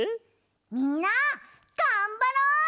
みんながんばろう！